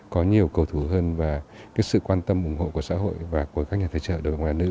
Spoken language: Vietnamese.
có nhiều cầu thủ hơn và cái sự quan tâm ủng hộ của xã hội và của các nhà thầy trợ đội bóng đá nữ